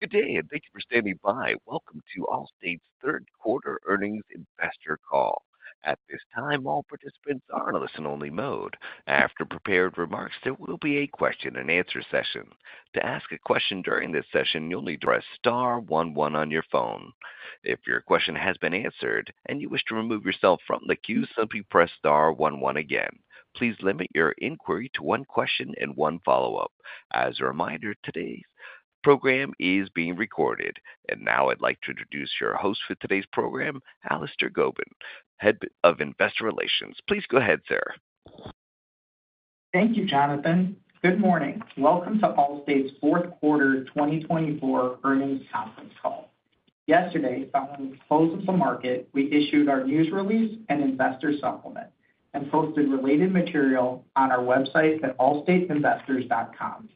Good day, and thank you for standing by. Welcome to Allstate's third quarter earnings investor call. At this time, all participants are in a listen-only mode. After prepared remarks, there will be a question-and-answer session. To ask a question during this session, you'll need to press star one one on your phone. If your question has been answered and you wish to remove yourself from the queue, simply press star one one again. Please limit your inquiry to one question and one follow-up. As a reminder, today's program is being recorded. And now I'd like to introduce your host for today's program, Allister Gobin, Head of Investor Relations. Please go ahead, sir. Thank you, Jonathan. Good morning. Welcome to Allstate's fourth quarter 2024 earnings conference call. Yesterday, following the close of the market, we issued our news release and investor supplement and posted related material on our website at allstateinvestors.com.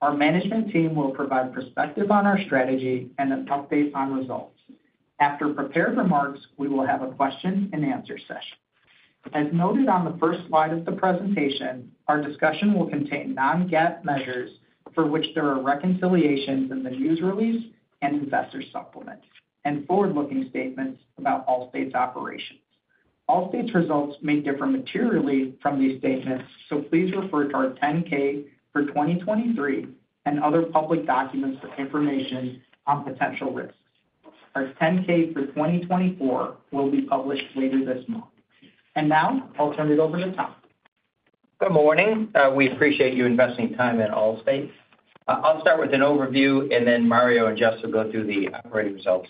Our management team will provide perspective on our strategy and an update on results. After prepared remarks, we will have a question-and-answer session. As noted on the first slide of the presentation, our discussion will contain non-GAAP measures for which there are reconciliations in the news release and investor supplement, and forward-looking statements about Allstate's operations. Allstate's results may differ materially from these statements, so please refer to our 10-K for 2023 and other public documents for information on potential risks. Our 10-K for 2024 will be published later this month. Now I'll turn it over to Tom. Good morning. We appreciate you investing time in Allstate. I'll start with an overview, and then Mario and Jess will go through the operating results.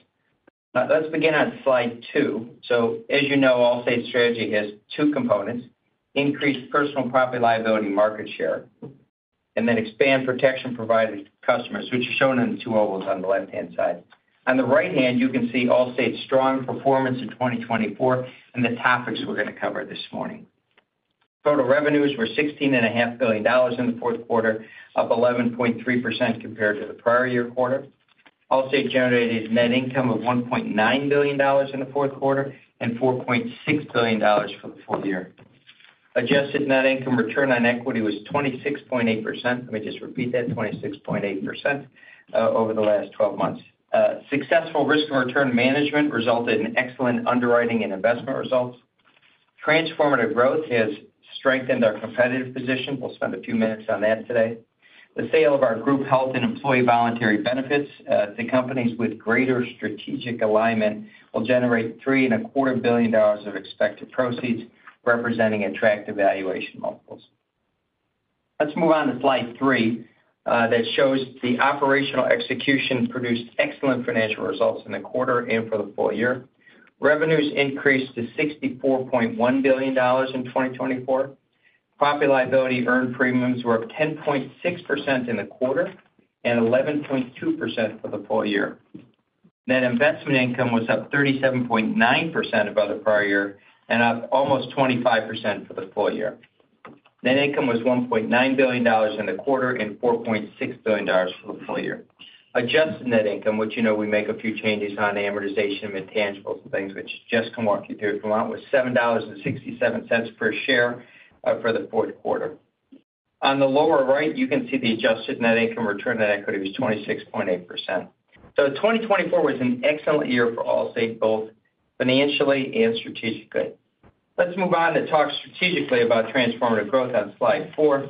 Let's begin on slide two. So, as you know, Allstate's strategy has two components: increased personal property-liability market share, and then expand protection provided to customers, which is shown in the two ovals on the left-hand side. On the right hand, you can see Allstate's strong performance in 2024 and the topics we're going to cover this morning. Total revenues were $16.5 billion in the fourth quarter, up 11.3% compared to the prior year quarter. Allstate generated net income of $1.9 billion in the fourth quarter and $4.6 billion for the full year. Adjusted net income return on equity was 26.8%. Let me just repeat that: 26.8% over the last 12 months. Successful risk and return management resulted in excellent underwriting and investment results. Transformative growth has strengthened our competitive position. We'll spend a few minutes on that today. The sale of our group health and employee voluntary benefits to companies with greater strategic alignment will generate $3.25 billion of expected proceeds, representing attractive valuation multiples. Let's move on to slide three that shows the operational execution produced excellent financial results in the quarter and for the full year. Revenues increased to $64.1 billion in 2024. Property-liability earned premiums were up 10.6% in the quarter and 11.2% for the full year. Net investment income was up 37.9% over the prior year and up almost 25% for the full year. Net income was $1.9 billion in the quarter and $4.6 billion for the full year. Adjusted net income, which you know we make a few changes on amortization and tangibles and things, which Jess can walk you through, came out was $7.67 per share for the fourth quarter. On the lower right, you can see the adjusted net income return on equity was 26.8%. So, 2024 was an excellent year for Allstate, both financially and strategically. Let's move on to talk strategically about transformative growth on slide four.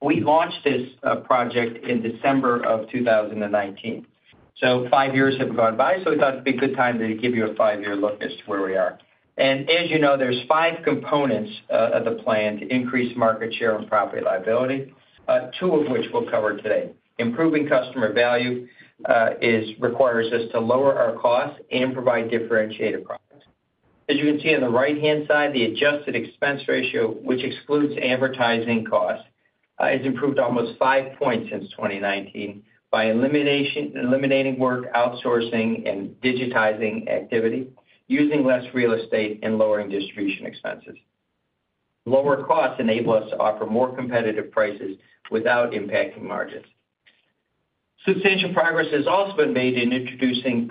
We launched this project in December of 2019. So, five years have gone by, so we thought it'd be a good time to give you a five-year look as to where we are. And as you know, there's five components of the plan to increase market share and property-liability, two of which we'll cover today. Improving customer value requires us to lower our costs and provide differentiated products. As you can see on the right-hand side, the adjusted expense ratio, which excludes advertising costs, has improved almost five points since 2019 by eliminating work, outsourcing, and digitizing activity, using less real estate and lowering distribution expenses. Lower costs enable us to offer more competitive prices without impacting margins. Substantial progress has also been made in introducing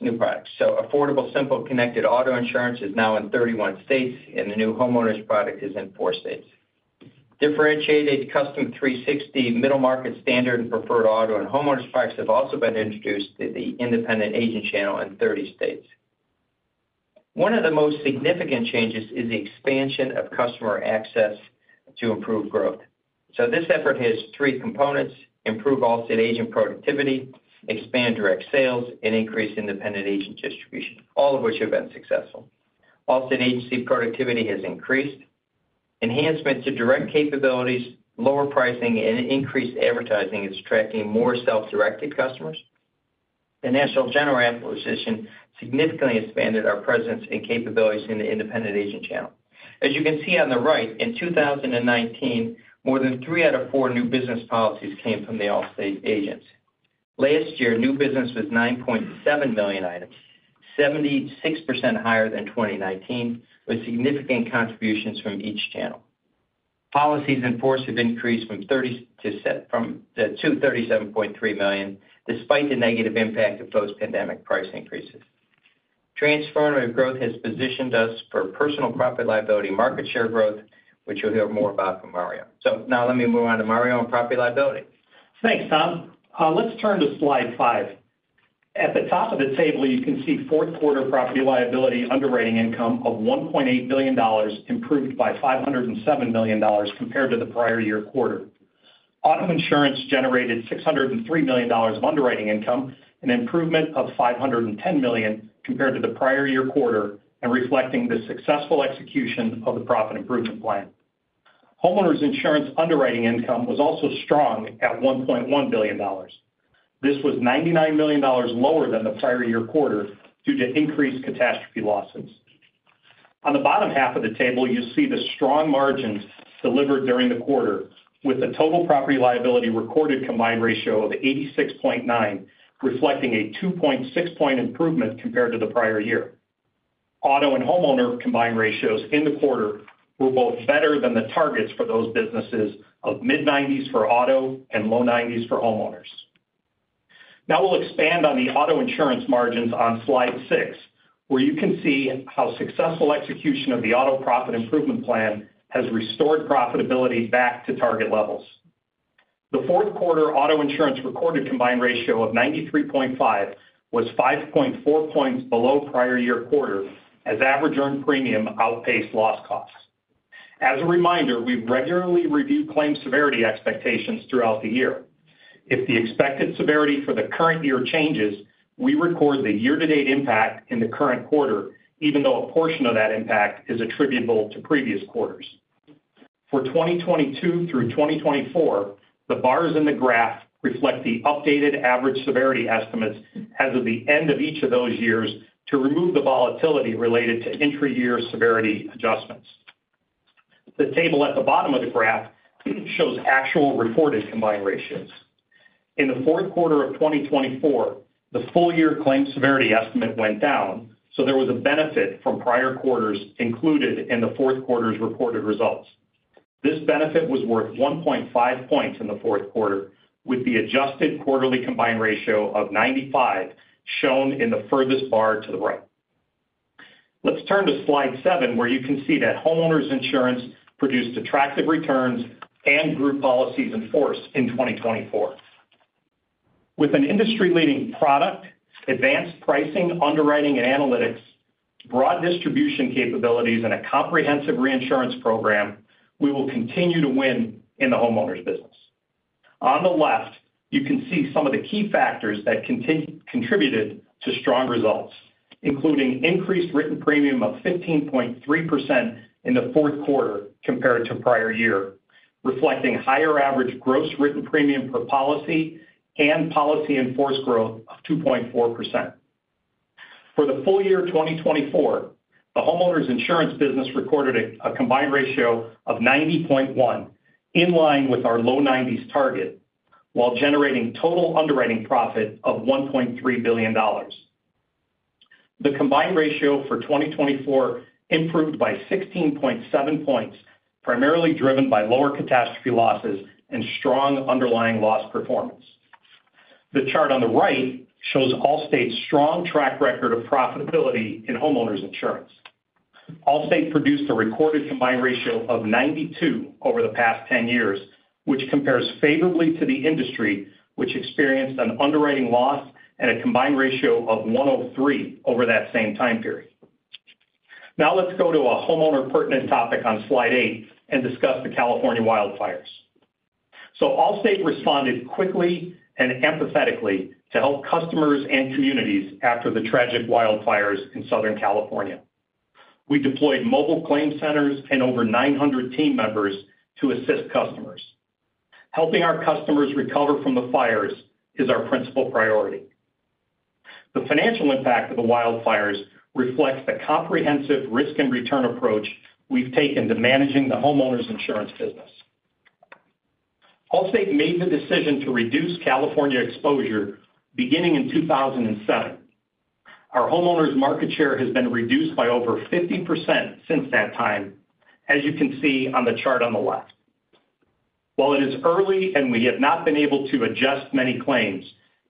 new products. So, Affordable Simple Connected Auto Insurance is now in 31 states, and the new homeowners product is in four states. Differentiated Custom360, middle market standard, and preferred auto and homeowners products have also been introduced through the independent agent channel in 30 states. One of the most significant changes is the expansion of customer access to improve growth. So, this effort has three components, improve Allstate agent productivity, expand direct sales, and increase independent agent distribution, all of which have been successful. Allstate agency productivity has increased. Enhancements to direct capabilities, lower pricing, and increased advertising is attracting more self-directed customers. The National General acquisition significantly expanded our presence and capabilities in the independent agent channel. As you can see on the right, in 2019, more than three out of four new business policies came from the Allstate agents. Last year, new business was 9.7 million items, 76% higher than 2019, with significant contributions from each channel. Policies in force have increased from 237.3 million, despite the negative impact of post-pandemic price increases. Transformative growth has positioned us for personal property-liability market share growth, which you'll hear more about from Mario. Now let me move on to Mario on property-liability. Thanks, Tom. Let's turn to slide five. At the top of the table, you can see fourth quarter property-liability underwriting income of $1.8 billion, improved by $507 million compared to the prior year quarter. Auto insurance generated $603 million of underwriting income, an improvement of $510 million compared to the prior year quarter, and reflecting the successful execution of the profit improvement plan. Homeowners insurance underwriting income was also strong at $1.1 billion. This was $99 million lower than the prior year quarter due to increased catastrophe losses. On the bottom half of the table, you'll see the strong margins delivered during the quarter, with a total property-liability recorded combined ratio of 86.9%, reflecting a 2.6-point improvement compared to the prior year. Auto and homeowners combined ratios in the quarter were both better than the targets for those businesses of mid-90s% for auto and low 90s% for homeowners. Now we'll expand on the auto insurance margins on slide six, where you can see how successful execution of the auto profit improvement plan has restored profitability back to target levels. The fourth quarter auto insurance recorded combined ratio of 93.5, was 5.4 points below prior year quarter, as average earned premium outpaced loss costs. As a reminder, we regularly review claim severity expectations throughout the year. If the expected severity for the current year changes, we record the year-to-date impact in the current quarter, even though a portion of that impact is attributable to previous quarters. For 2022 through 2024, the bars in the graph reflect the updated average severity estimates as of the end of each of those years to remove the volatility related to entry-year severity adjustments. The table at the bottom of the graph shows actual reported combined ratios. In the fourth quarter of 2024, the full-year claim severity estimate went down, so there was a benefit from prior quarters included in the fourth quarter's reported results. This benefit was worth 1.5 points in the fourth quarter, with the adjusted quarterly combined ratio of 95 shown in the furthest bar to the right. Let's turn to slide seven, where you can see that Homeowners Insurance produced attractive returns and group policies in force in 2024. With an industry-leading product, advanced pricing, underwriting and analytics, broad distribution capabilities, and a comprehensive reinsurance program, we will continue to win in the homeowners business. On the left, you can see some of the key factors that contributed to strong results, including increased written premium of 15.3% in the fourth quarter compared to prior year, reflecting higher average gross written premium per policy and policy in force growth of 2.4%. For the full year 2024, the homeowners insurance business recorded a combined ratio of 90.1, in line with our low 90s target, while generating total underwriting profit of $1.3 billion. The combined ratio for 2024 improved by 16.7 points, primarily driven by lower catastrophe losses and strong underlying loss performance. The chart on the right shows Allstate's strong track record of profitability in homeowners insurance. Allstate produced a record combined ratio of 92 over the past 10 years, which compares favorably to the industry, which experienced an underwriting loss and a combined ratio of 103 over that same time period. Now let's go to a homeowners pertinent topic on slide eight and discuss the California wildfires. So, Allstate responded quickly and empathetically to help customers and communities after the tragic wildfires in Southern California. We deployed mobile claim centers and over 900 team members to assist customers. Helping our customers recover from the fires is our principal priority. The financial impact of the wildfires reflects the comprehensive risk and return approach we've taken to managing the homeowners insurance business. Allstate made the decision to reduce California exposure beginning in 2007. Our homeowners market share has been reduced by over 50% since that time, as you can see on the chart on the left. While it is early and we have not been able to adjust many claims,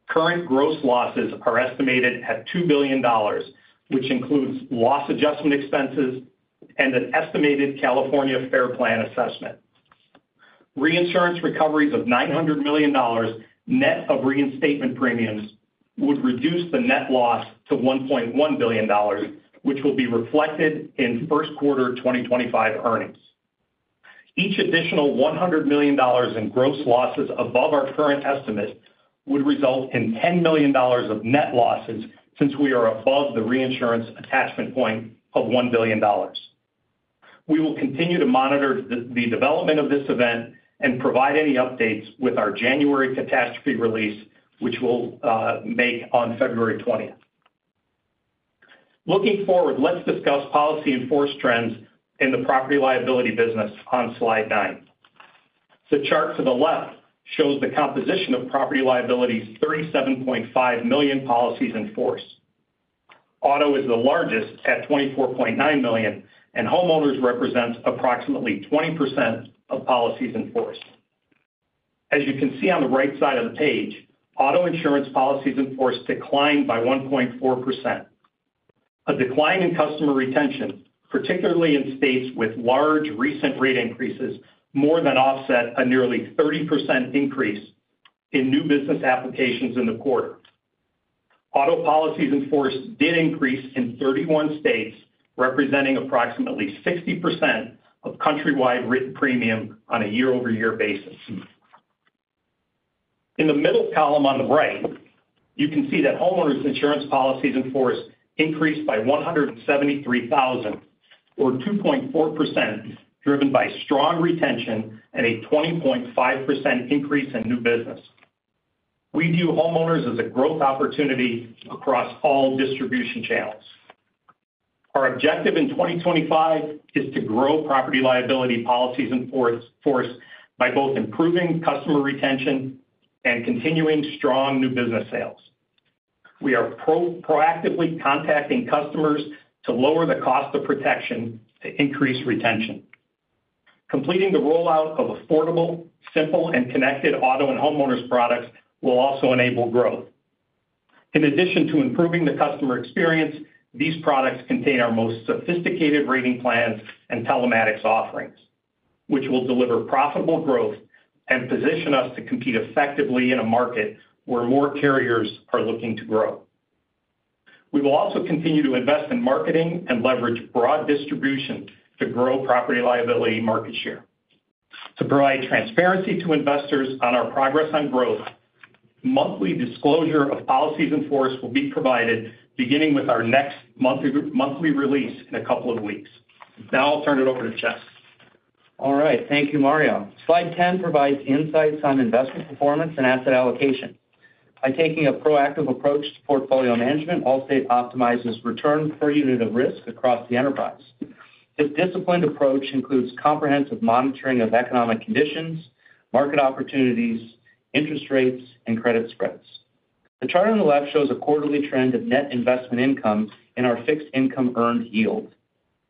current gross losses are estimated at $2 billion, which includes loss adjustment expenses and an estimated California FAIR Plan assessment. Reinsurance recoveries of $900 million net of reinstatement premiums would reduce the net loss to $1.1 billion, which will be reflected in first quarter 2025 earnings. Each additional $100 million in gross losses above our current estimate would result in $10 million of net losses since we are above the reinsurance attachment point of $1 billion. We will continue to monitor the development of this event and provide any updates with our January catastrophe release, which we'll make on February 20th. Looking forward, let's discuss policies in force trends in the property-liability business on slide nine. The chart to the left shows the composition of property-liability: 37.5 million policies in force. Auto is the largest at 24.9 million, and homeowners represent approximately 20% of policies in force. As you can see on the right side of the page, auto insurance policies in force declined by 1.4%. A decline in customer retention, particularly in states with large recent rate increases, more than offset a nearly 30% increase in new business applications in the quarter. Auto policies in force did increase in 31 states, representing approximately 60% of countrywide written premium on a year-over-year basis. In the middle column on the right, you can see that homeowners insurance policies in force increased by 173,000, or 2.4%, driven by strong retention and a 20.5% increase in new business. We view homeowners as a growth opportunity across all distribution channels. Our objective in 2025 is to grow property-liability policies in force by both improving customer retention and continuing strong new business sales. We are proactively contacting customers to lower the cost of protection to increase retention. Completing the rollout of affordable, simple, and connected auto and homeowners products will also enable growth. In addition to improving the customer experience, these products contain our most sophisticated rating plans and telematics offerings, which will deliver profitable growth and position us to compete effectively in a market where more carriers are looking to grow. We will also continue to invest in marketing and leverage broad distribution to grow property-liability market share. To provide transparency to investors on our progress on growth, monthly disclosure of policies in force will be provided, beginning with our next monthly release in a couple of weeks. Now I'll turn it over to Jess. All right. Thank you, Mario. Slide 10 provides insights on investment performance and asset allocation. By taking a proactive approach to portfolio management, Allstate optimizes return per unit of risk across the enterprise. This disciplined approach includes comprehensive monitoring of economic conditions, market opportunities, interest rates, and credit spreads. The chart on the left shows a quarterly trend of net investment income in our fixed income earned yield.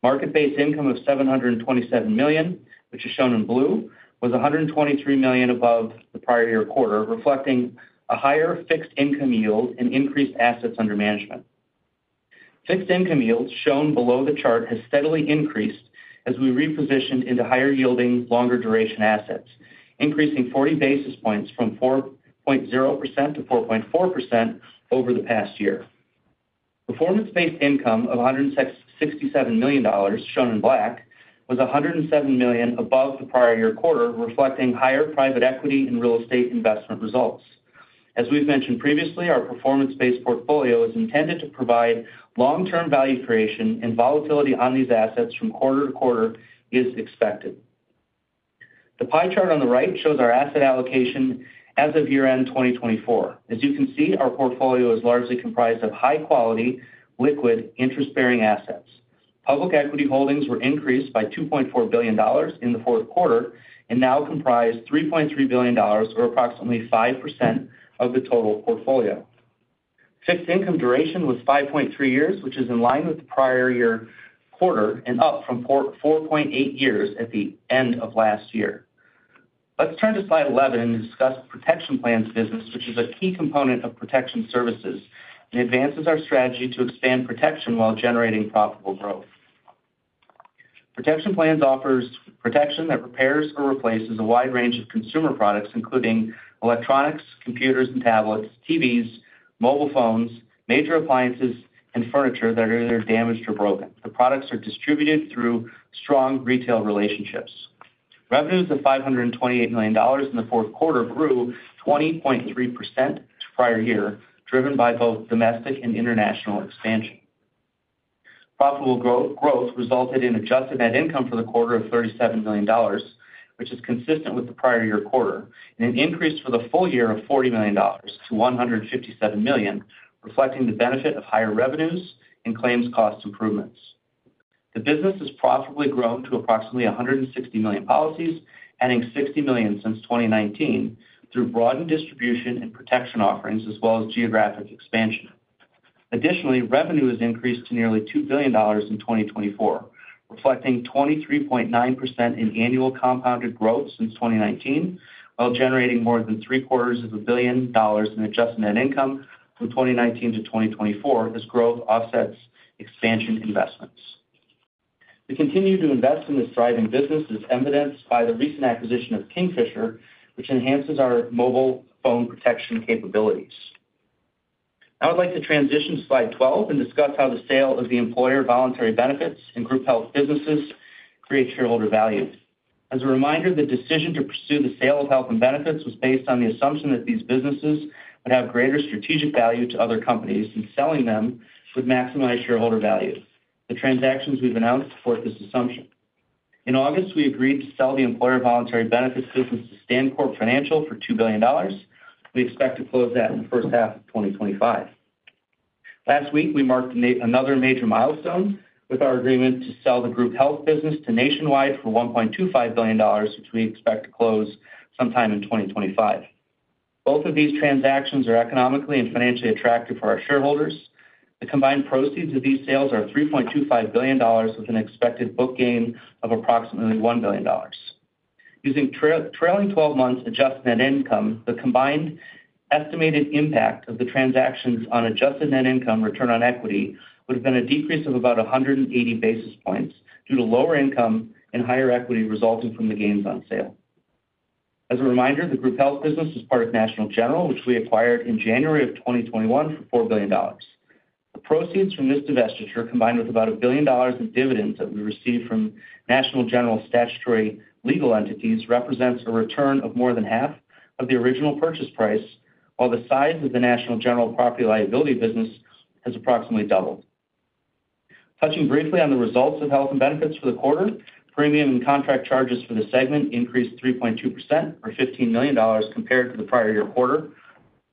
Market-based income of $727 million, which is shown in blue, was $123 million above the prior year quarter, reflecting a higher fixed income yield and increased assets under management. Fixed income yield shown below the chart has steadily increased as we repositioned into higher yielding, longer duration assets, increasing 40 basis points from 4.0% to 4.4% over the past year. Performance-based income of $167 million, shown in black, was $107 million above the prior year quarter, reflecting higher private equity and real estate investment results. As we've mentioned previously, our performance-based portfolio is intended to provide long-term value creation, and volatility on these assets from quarter to quarter is expected. The pie chart on the right shows our asset allocation as of year-end 2024. As you can see, our portfolio is largely comprised of high-quality, liquid, interest-bearing assets. Public equity holdings were increased by $2.4 billion in the fourth quarter and now comprise $3.3 billion, or approximately 5% of the total portfolio. Fixed income duration was 5.3 years, which is in line with the prior year quarter and up from 4.8 years at the end of last year. Let's turn to slide 11 and discuss protection plans business, which is a key component of protection services and advances our strategy to expand protection while generating profitable growth. Protection plans offer protection that repairs or replaces a wide range of consumer products, including electronics, computers and tablets, TVs, mobile phones, major appliances, and furniture that are either damaged or broken. The products are distributed through strong retail relationships. Revenues of $528 million in the fourth quarter grew 20.3% to prior year, driven by both domestic and international expansion. Profitable growth resulted in adjusted net income for the quarter of $37 million, which is consistent with the prior year quarter, and an increase for the full year of $40 million to $157 million, reflecting the benefit of higher revenues and claims cost improvements. The business has profitably grown to approximately 160 million policies, adding 60 million since 2019 through broadened distribution and protection offerings, as well as geographic expansion. Additionally, revenue has increased to nearly $2 billion in 2024, reflecting 23.9% in annual compounded growth since 2019, while generating more than $750 million in adjusted net income from 2019 to 2024, as growth offsets expansion investments. The continued investment in this thriving business is evidenced by the recent acquisition of Kingfisher, which enhances our mobile phone protection capabilities. Now I'd like to transition to slide 12 and discuss how the sale of the employer voluntary benefits and group health businesses create shareholder value. As a reminder, the decision to pursue the sale of health and benefits was based on the assumption that these businesses would have greater strategic value to other companies, and selling them would maximize shareholder value. The transactions we've announced support this assumption. In August, we agreed to sell the employer voluntary benefits business to StanCorp Financial for $2 billion. We expect to close that in the first half of 2025. Last week, we marked another major milestone with our agreement to sell the group health business to Nationwide for $1.25 billion, which we expect to close sometime in 2025. Both of these transactions are economically and financially attractive for our shareholders. The combined proceeds of these sales are $3.25 billion, with an expected book gain of approximately $1 billion. Using trailing 12 months adjusted net income, the combined estimated impact of the transactions on adjusted net income return on equity would have been a decrease of about 180 basis points due to lower income and higher equity resulting from the gains on sale. As a reminder, the group health business is part of National General, which we acquired in January of 2021 for $4 billion. The proceeds from this divestiture, combined with about $1 billion in dividends that we received from National General statutory legal entities, represent a return of more than half of the original purchase price, while the size of the National General property-liability business has approximately doubled. Touching briefly on the results of health and benefits for the quarter, premium and contract charges for the segment increased 3.2%, or $15 million compared to the prior year quarter.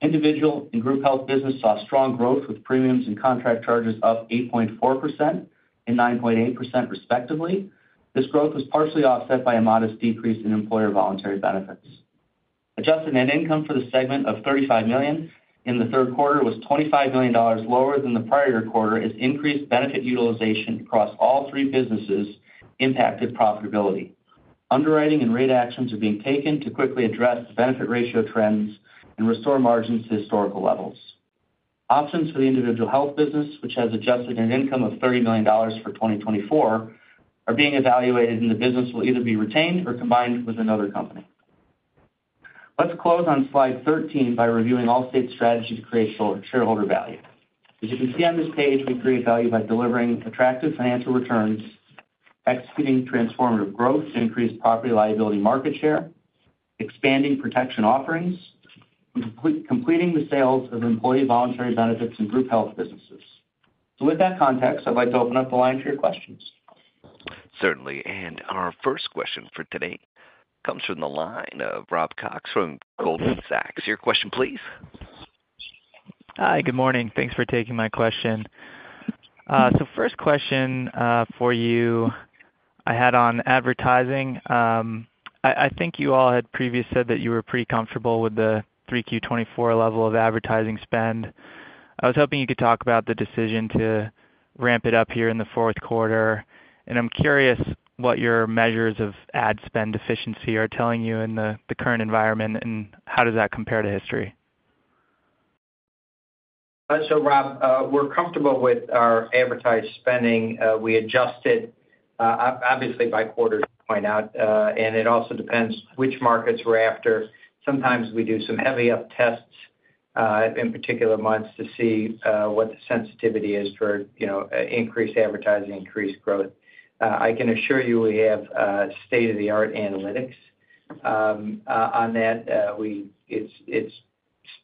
Individual and group health business saw strong growth, with premiums and contract charges up 8.4% and 9.8%, respectively. This growth was partially offset by a modest decrease in employer voluntary benefits. Adjusted net income for the segment of $35 million in the third quarter was $25 million lower than the prior year quarter, as increased benefit utilization across all three businesses impacted profitability. Underwriting and rate actions are being taken to quickly address the benefit ratio trends and restore margins to historical levels. Options for the individual health business, which has adjusted net income of $30 million for 2024, are being evaluated, and the business will either be retained or combined with another company. Let's close on slide 13 by reviewing Allstate's strategy to create shareholder value. As you can see on this page, we create value by delivering attractive financial returns, executing transformative growth to increase property-liability market share, expanding protection offerings, and completing the sales of employee voluntary benefits and group health businesses. So with that context, I'd like to open up the line for your questions. Certainly. Our first question for today comes from the line of Rob Cox from Goldman Sachs. Your question, please. Hi. Good morning. Thanks for taking my question. So, first question for you I had on advertising. I think you all had previously said that you were pretty comfortable with the 3Q24 level of advertising spend. I was hoping you could talk about the decision to ramp it up here in the fourth quarter. And I'm curious what your measures of ad spend efficiency are telling you in the current environment, and how does that compare to history? So Rob, we're comfortable with our advertised spending. We adjust it, obviously, by quarters, to point out. And it also depends which markets we're after. Sometimes we do some heavy-up tests in particular months to see what the sensitivity is for increased advertising, increased growth. I can assure you we have state-of-the-art analytics on that.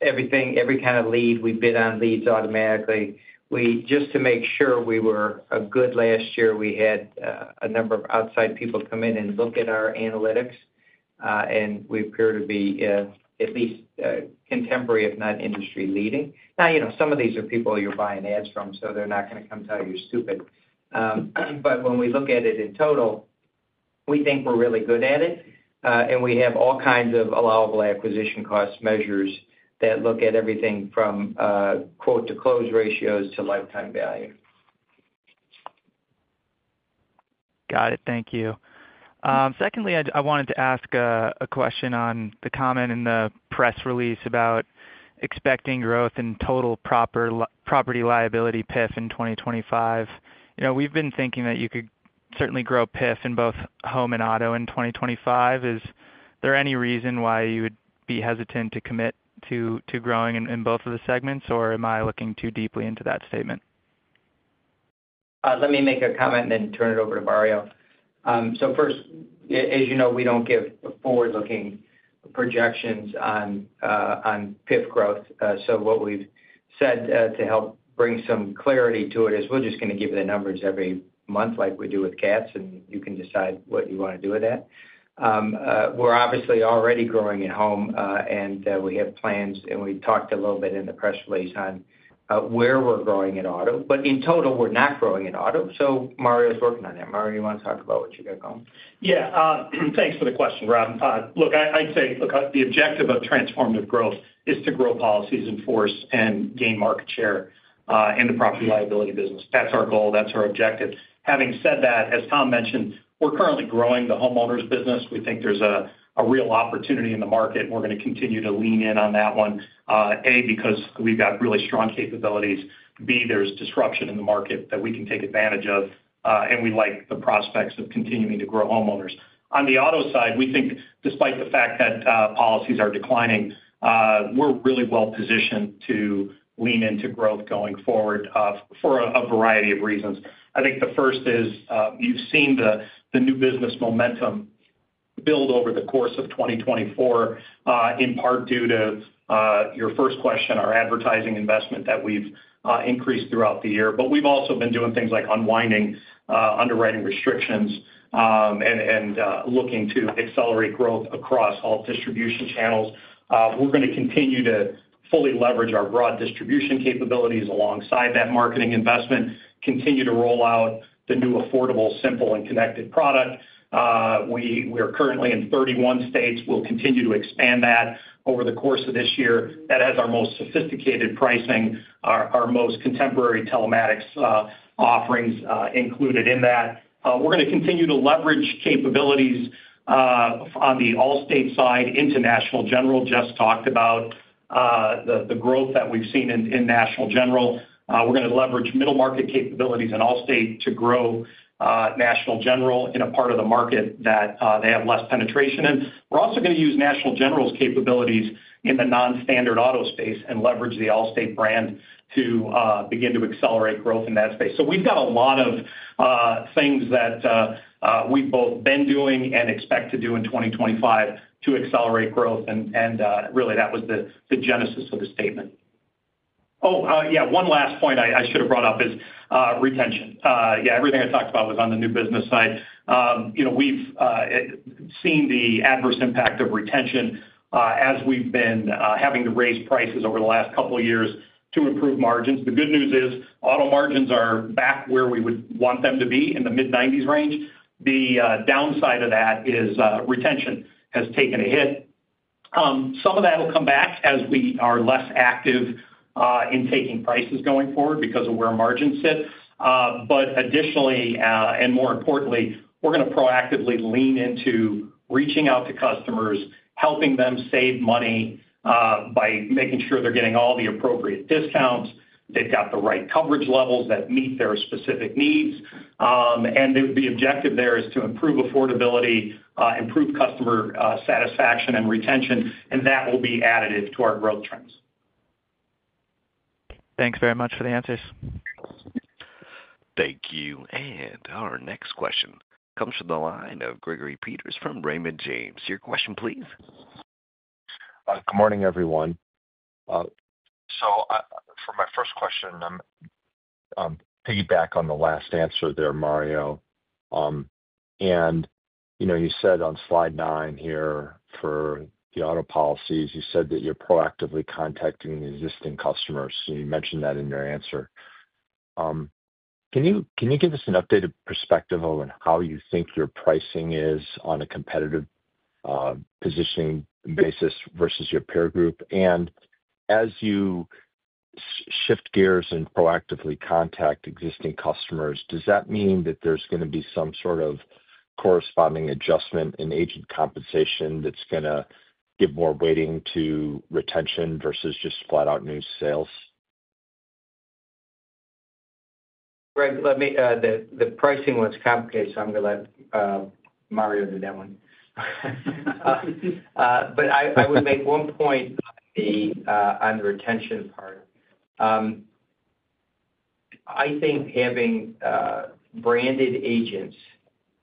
Every kind of lead, we bid on leads automatically. Just to make sure we were good last year, we had a number of outside people come in and look at our analytics, and we appear to be at least contemporary, if not industry-leading. Now, some of these are people you're buying ads from, so they're not going to come tell you you're stupid. But when we look at it in total, we think we're really good at it. We have all kinds of allowable acquisition cost measures that look at everything from quote-to-close ratios to lifetime value. Got it. Thank you. Secondly, I wanted to ask a question on the comment in the press release about expecting growth in total property-liability PIF in 2025. We've been thinking that you could certainly grow PIF in both home and auto in 2025. Is there any reason why you would be hesitant to commit to growing in both of the segments, or am I looking too deeply into that statement? Let me make a comment and then turn it over to Mario. So first, as you know, we don't give forward-looking projections on PIF growth. So what we've said to help bring some clarity to it is we're just going to give you the numbers every month like we do with cats, and you can decide what you want to do with that. We're obviously already growing in home, and we have plans, and we talked a little bit in the press release on where we're growing in auto. But in total, we're not growing in auto. So Mario's working on that. Mario, you want to talk about what you got going? Yeah. Thanks for the question, Rob. Look, I'd say the objective of transformative growth is to grow policies in force and gain market share in the property-liability business. That's our goal. That's our objective. Having said that, as Tom mentioned, we're currently growing the homeowners business. We think there's a real opportunity in the market, and we're going to continue to lean in on that one. A, because we've got really strong capabilities. B, there's disruption in the market that we can take advantage of, and we like the prospects of continuing to grow homeowners. On the auto side, we think, despite the fact that policies are declining, we're really well-positioned to lean into growth going forward for a variety of reasons. I think the first is you've seen the new business momentum build over the course of 2024, in part due to your first question, our advertising investment that we've increased throughout the year. But we've also been doing things like unwinding underwriting restrictions and looking to accelerate growth across all distribution channels. We're going to continue to fully leverage our broad distribution capabilities alongside that marketing investment, continue to roll out the new affordable, simple, and connected product. We are currently in 31 states. We'll continue to expand that over the course of this year. That has our most sophisticated pricing, our most contemporary telematics offerings included in that. We're going to continue to leverage capabilities on the Allstate side into National General. Just talked about the growth that we've seen in National General. We're going to leverage middle market capabilities in Allstate to grow National General in a part of the market that they have less penetration in. We're also going to use National General's capabilities in the non-standard auto space and leverage the Allstate brand to begin to accelerate growth in that space. So we've got a lot of things that we've both been doing and expect to do in 2025 to accelerate growth. And really, that was the genesis of the statement. Oh, yeah, one last point I should have brought up is retention. Yeah, everything I talked about was on the new business side. We've seen the adverse impact of retention as we've been having to raise prices over the last couple of years to improve margins. The good news is auto margins are back where we would want them to be in the mid-90s range. The downside of that is retention has taken a hit. Some of that will come back as we are less active in taking prices going forward because of where margins sit. But additionally, and more importantly, we're going to proactively lean into reaching out to customers, helping them save money by making sure they're getting all the appropriate discounts, they've got the right coverage levels that meet their specific needs. And the objective there is to improve affordability, improve customer satisfaction, and retention, and that will be additive to our growth trends. Thanks very much for the answers. Thank you. And our next question comes from the line of Gregory Peters from Raymond James. Your question, please. Good morning, everyone. So for my first question, I'm piggybacking on the last answer there, Mario. And you said on slide 9 here for the auto policies, you said that you're proactively contacting existing customers. You mentioned that in your answer. Can you give us an updated perspective on how you think your pricing is on a competitive positioning basis versus your peer group? And as you shift gears and proactively contact existing customers, does that mean that there's going to be some sort of corresponding adjustment in agent compensation that's going to give more weighting to retention versus just flat-out new sales? Greg, the pricing was complicated, so I'm going to let Mario do that one. But I would make one point on the retention part. I think having branded agents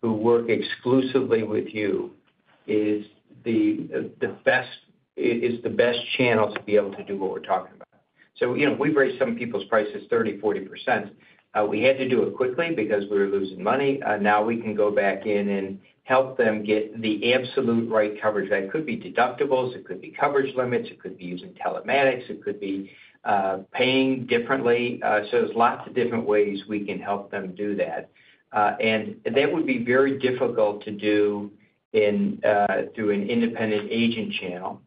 who work exclusively with you is the best channel to be able to do what we're talking about. So we've raised some people's prices 30%-40%. We had to do it quickly because we were losing money. Now we can go back in and help them get the absolute right coverage. That could be deductibles, it could be coverage limits, it could be using telematics, it could be paying differently. So there's lots of different ways we can help them do that. And that would be very difficult to do through an independent agent channel.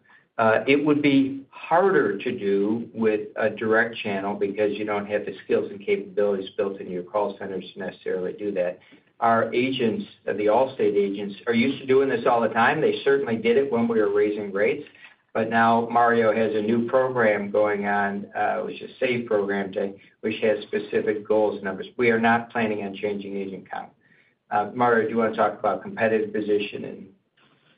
It would be harder to do with a direct channel because you don't have the skills and capabilities built in your call centers to necessarily do that. Our agents, the Allstate agents, are used to doing this all the time. They certainly did it when we were raising rates. But now Mario has a new program going on, which is a SAVE program today, which has specific goals and numbers. We are not planning on changing agent count. Mario, do you want to talk about competitive position and?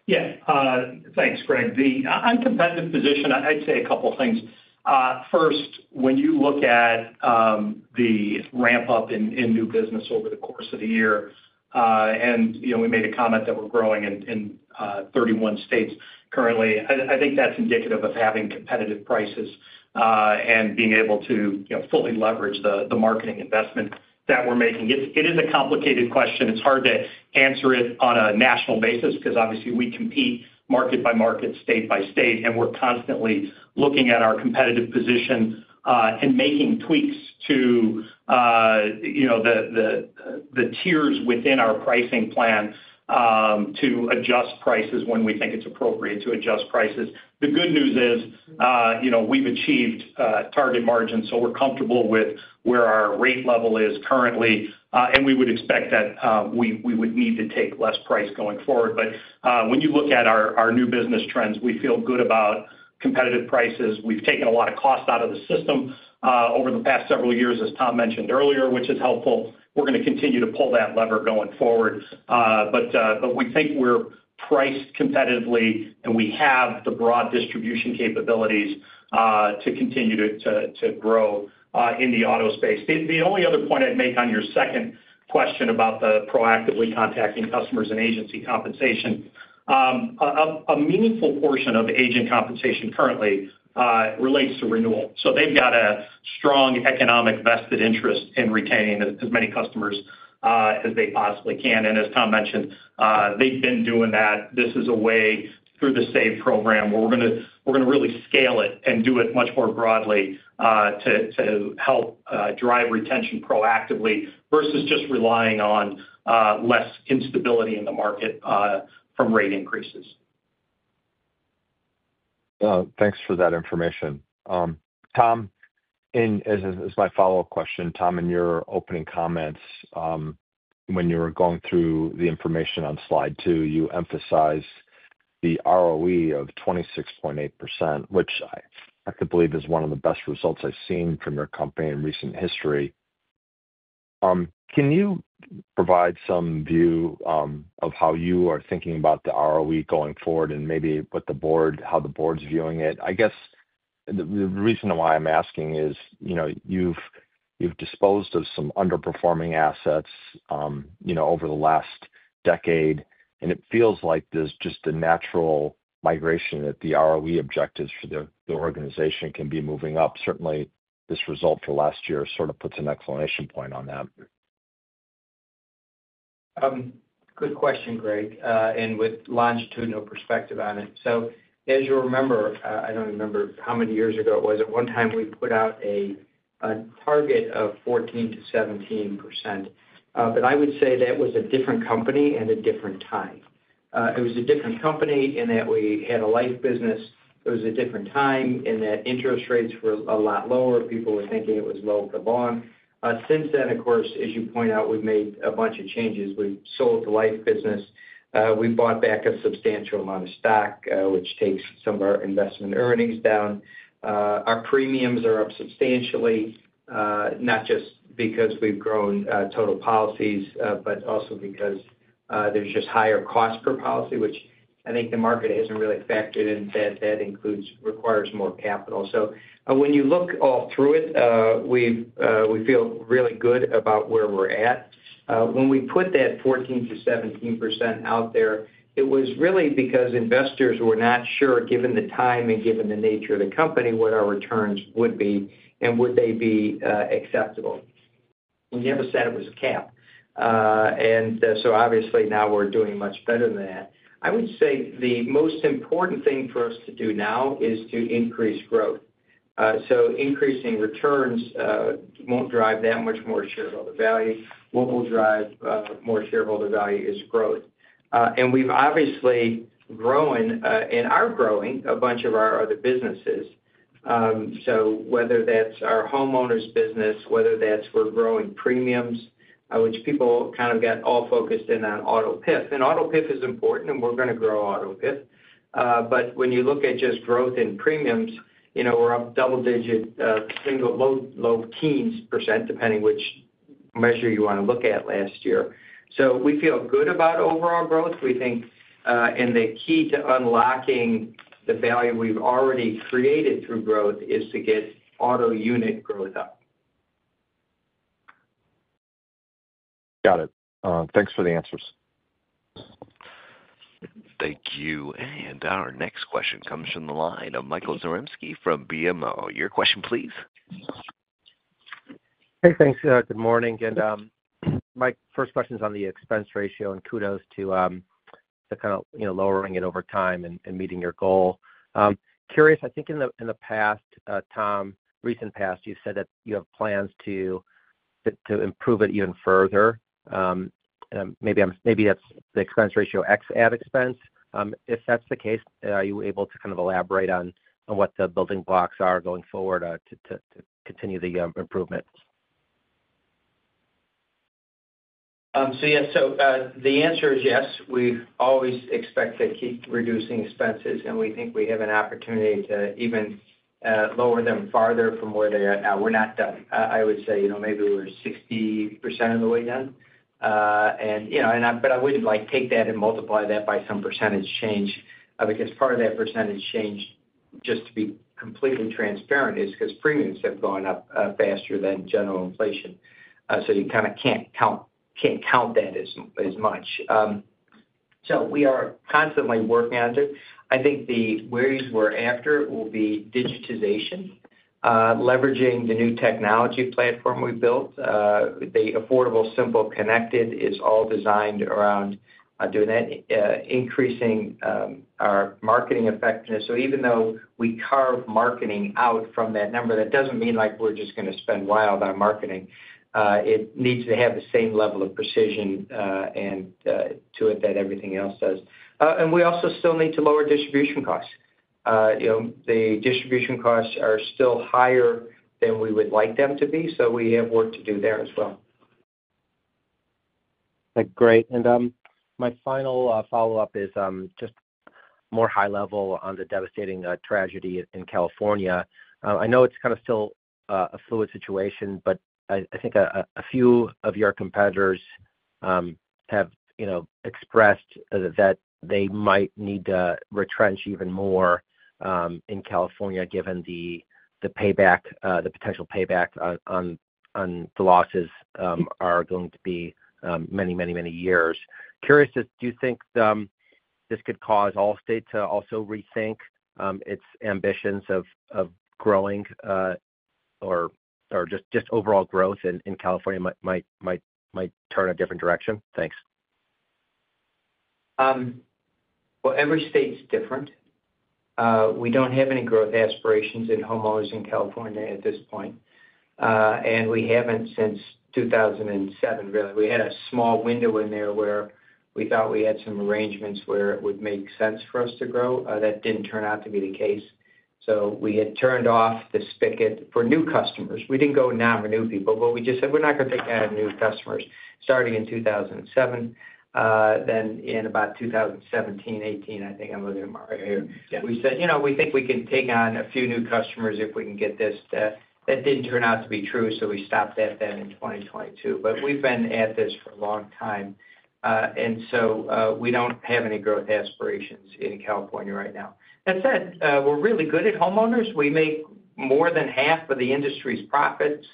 Yeah. Thanks, Greg. On competitive position, I'd say a couple of things. First, when you look at the ramp-up in new business over the course of the year, and we made a comment that we're growing in 31 states currently, I think that's indicative of having competitive prices and being able to fully leverage the marketing investment that we're making. It is a complicated question. It's hard to answer it on a national basis because, obviously, we compete market by market, state by state, and we're constantly looking at our competitive position and making tweaks to the tiers within our pricing plan to adjust prices when we think it's appropriate to adjust prices. The good news is we've achieved target margins, so we're comfortable with where our rate level is currently, and we would expect that we would need to take less price going forward. But when you look at our new business trends, we feel good about competitive prices. We've taken a lot of cost out of the system over the past several years, as Tom mentioned earlier, which is helpful. We're going to continue to pull that lever going forward. But we think we're priced competitively, and we have the broad distribution capabilities to continue to grow in the auto space. The only other point I'd make on your second question about the proactively contacting customers and agency compensation, a meaningful portion of agent compensation currently relates to renewal. So they've got a strong economic vested interest in retaining as many customers as they possibly can. And as Tom mentioned, they've been doing that. This is a way through the SAVE program where we're going to really scale it and do it much more broadly to help drive retention proactively versus just relying on less instability in the market from rate increases. Thanks for that information. Tom, as my follow-up question, Tom, in your opening comments, when you were going through the information on slide two, you emphasized the ROE of 26.8%, which I have to believe is one of the best results I've seen from your company in recent history. Can you provide some view of how you are thinking about the ROE going forward and maybe how the board's viewing it? I guess the reason why I'm asking is you've disposed of some underperforming assets over the last decade, and it feels like there's just a natural migration that the ROE objectives for the organization can be moving up. Certainly, this result for last year sort of puts an exclamation point on that. Good question, Greg, and with longitudinal perspective on it. So as you'll remember, I don't remember how many years ago it was. At one time, we put out a target of 14%-17%. But I would say that was a different company and a different time. It was a different company in that we had a life business. It was a different time in that interest rates were a lot lower. People were thinking it was low for long. Since then, of course, as you point out, we've made a bunch of changes. We've sold the life business. We bought back a substantial amount of stock, which takes some of our investment earnings down. Our premiums are up substantially, not just because we've grown total policies, but also because there's just higher cost per policy, which I think the market hasn't really factored in that that requires more capital. So when you look all through it, we feel really good about where we're at. When we put that 14%-17% out there, it was really because investors were not sure, given the time and given the nature of the company, what our returns would be and would they be acceptable. We never said it was a cap, and so obviously, now we're doing much better than that. I would say the most important thing for us to do now is to increase growth, so increasing returns won't drive that much more shareholder value. What will drive more shareholder value is growth. We've obviously grown and are growing a bunch of our other businesses. Whether that's our homeowners business, whether that's we're growing premiums, which people kind of got all focused in on auto PIF. Auto PIF is important, and we're going to grow auto PIF. When you look at just growth in premiums, we're up double-digit, single low teens %, depending which measure you want to look at last year. We feel good about overall growth. We think the key to unlocking the value we've already created through growth is to get auto unit growth up. Got it. Thanks for the answers. Thank you. And our next question comes from the line of Michael Zaremski from BMO. Your question, please. Hey, thanks. Good morning, and my first question is on the expense ratio and kudos to kind of lowering it over time and meeting your goal. Curious, I think in the past, Tom, recent past, you said that you have plans to improve it even further. Maybe that's the expense ratio x at expense. If that's the case, are you able to kind of elaborate on what the building blocks are going forward to continue the improvement? So yes. So the answer is yes. We always expect to keep reducing expenses, and we think we have an opportunity to even lower them farther from where they are at now. We're not done. I would say maybe we're 60% of the way done. But I would take that and multiply that by some percentage change. I mean, because part of that percentage change, just to be completely transparent, is because premiums have gone up faster than general inflation. So you kind of can't count that as much. So we are constantly working on it. I think where we're after will be digitization, leveraging the new technology platform we built. The Affordable Simple Connected is all designed around doing that, increasing our marketing effectiveness. So even though we carve marketing out from that number, that doesn't mean we're just going to spend wild on marketing. It needs to have the same level of precision to it that everything else does. And we also still need to lower distribution costs. The distribution costs are still higher than we would like them to be. So we have work to do there as well. Great. And my final follow-up is just more high level on the devastating tragedy in California. I know it's kind of still a fluid situation, but I think a few of your competitors have expressed that they might need to retrench even more in California given the potential payback on the losses are going to be many, many, many years. Curious, do you think this could cause Allstate to also rethink its ambitions of growing or just overall growth in California might turn a different direction? Thanks. Every state's different. We don't have any growth aspirations in homeowners in California at this point. We haven't since 2007, really. We had a small window in there where we thought we had some arrangements where it would make sense for us to grow. That didn't turn out to be the case. We had turned off the spigot for new customers. We didn't go and non-renew people, but we just said, "We're not going to take on new customers starting in 2007." Then in about 2017, 2018, I think I'm looking at Mario here. We said, "We think we can take on a few new customers if we can get this." That didn't turn out to be true, so we stopped that then in 2022. We've been at this for a long time. We don't have any growth aspirations in California right now. That said, we're really good at homeowners. We make more than half of the industry's profits.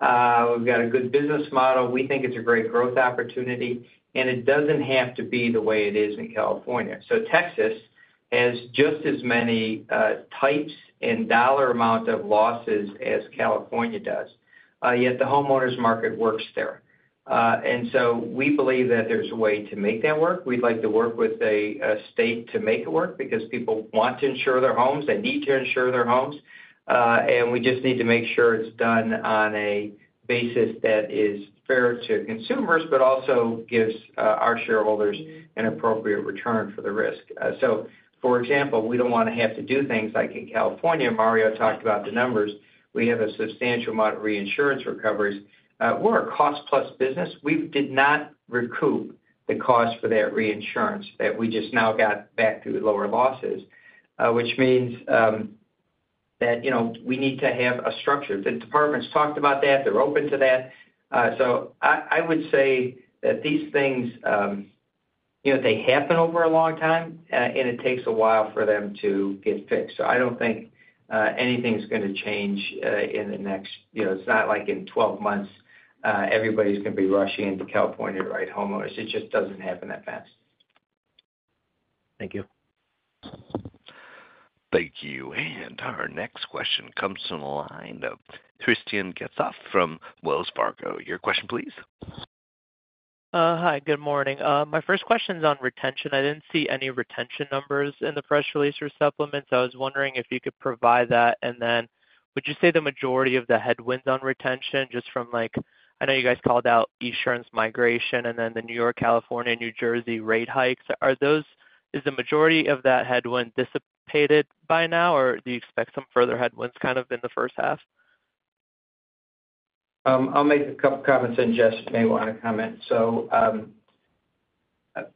We've got a good business model. We think it's a great growth opportunity, and it doesn't have to be the way it is in California, so Texas has just as many types and dollar amount of losses as California does. Yet the homeowners market works there, and so we believe that there's a way to make that work. We'd like to work with a state to make it work because people want to insure their homes. They need to insure their homes, and we just need to make sure it's done on a basis that is fair to consumers, but also gives our shareholders an appropriate return for the risk, so for example, we don't want to have to do things like in California. Mario talked about the numbers. We have a substantial amount of reinsurance recoveries. We're a cost-plus business. We did not recoup the cost for that reinsurance that we just now got back through lower losses, which means that we need to have a structure. The departments talked about that. They're open to that. So I would say that these things, they happen over a long time, and it takes a while for them to get fixed. So I don't think anything's going to change in the next. It's not like in 12 months, everybody's going to be rushing into California to write homeowners. It just doesn't happen that fast. Thank you. Thank you. Our next question comes from the line of Hristian Getsov from Wells Fargo. Your question, please. Hi, good morning. My first question is on retention. I didn't see any retention numbers in the fresh release or supplements. I was wondering if you could provide that. And then would you say the majority of the headwinds on retention, just from, I know you guys called out insurance migration and then the New York, California, New Jersey rate hikes, is the majority of that headwind dissipated by now, or do you expect some further headwinds kind of in the first half? I'll make a couple of comments, and Jesse may want to comment. So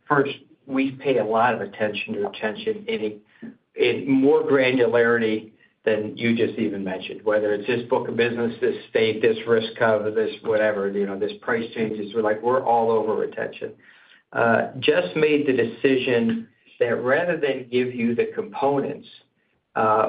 first, we pay a lot of attention to retention, more granularity than you just even mentioned, whether it's this book of business, this state, this risk cover, this whatever, this price changes. We're all over retention. Just made the decision that rather than give you the components,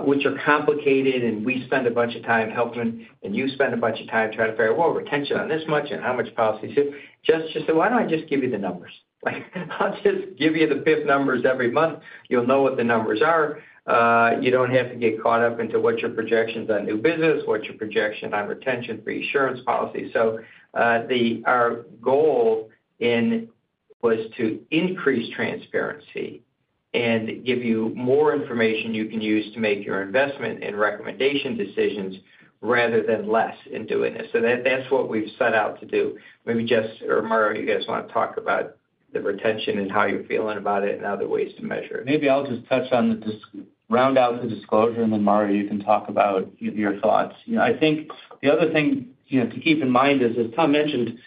which are complicated, and we spend a bunch of time helping, and you spend a bunch of time trying to figure out, "Well, retention on this much and how much policies here." Just said, "Why don't I just give you the numbers? I'll just give you the PIF numbers every month. You'll know what the numbers are. You don't have to get caught up into what your projections on new business, what your projection on retention for insurance policy." So our goal was to increase transparency and give you more information you can use to make your investment and recommendation decisions rather than less in doing this. So that's what we've set out to do. Maybe Jess or Mario, you guys want to talk about the retention and how you're feeling about it and other ways to measure it. Maybe I'll just touch on to round out the disclosure, and then Mario, you can talk about your thoughts. I think the other thing to keep in mind is, as Tom mentioned,